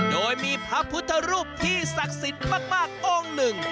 โดยมีพระพุทธรูปที่ศักดิ์สิทธิ์มากองค์หนึ่ง